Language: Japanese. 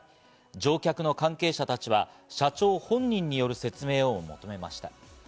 乗客の関係者たちは社長本人による説明を求めました。